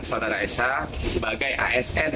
saudara esra sebagai asn